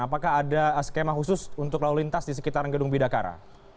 apakah ada skema khusus untuk lalu lintas di sekitar gedung bidakara